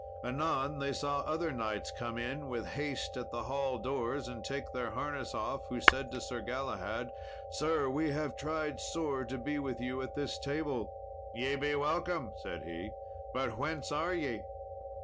Anon they saw other knights come in with haste at the hall doors and take their harness off, who said to Sir Galahad, "Sir, we have tried sore to be with you at this table." "Ye be welcome," said he, "but whence are ye?"